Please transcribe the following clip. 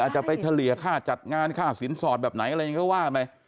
อาจจะไปเฉลี่ยค่าจัดงานค่าสินสอดแบบไหนก็ว่าไหม